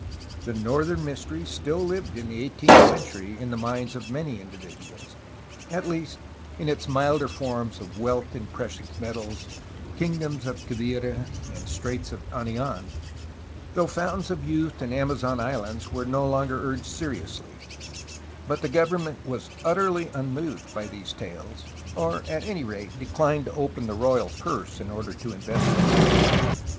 The ' 'Northern Mystery" still lived in the eighteenth century in the minds of many individuals, — at least in its milder forms of wealth in precious metals, kingdoms of Quivira, and straits of Anian, though fountains of youth and Amazon islands were no longer urged seriously, — but the government was utterly unmoved by these tales, or at any rate declined to open the royal purse in order to investigate them.